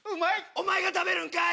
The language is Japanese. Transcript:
お前が食べるんかい！